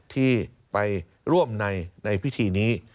ที่ไปร่วมในพิธีนี้